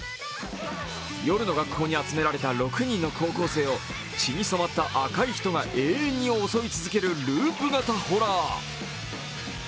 夜の学校に集められた６人の高校生を血に染まった赤い人が永遠に襲い続けるループ型ホラー。